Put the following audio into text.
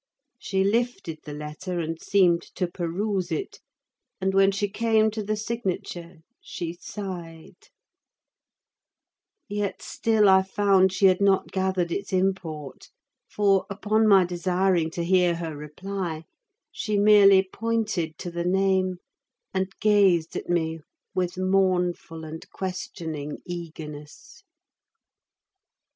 She lifted the letter, and seemed to peruse it; and when she came to the signature she sighed: yet still I found she had not gathered its import, for, upon my desiring to hear her reply, she merely pointed to the name, and gazed at me with mournful and questioning eagerness.